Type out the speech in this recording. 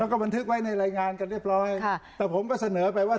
แล้วก็บันทึกไว้ในรายงานกันเรียบร้อยค่ะแต่ผมก็เสนอไปว่า